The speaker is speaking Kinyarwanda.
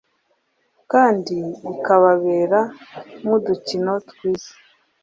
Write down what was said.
kandi bikababera nk’udukino.twiza